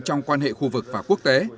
trong quan hệ khu vực và quốc tế